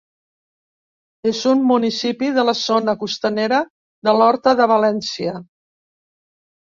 És un municipi de la zona costanera de l'Horta de València.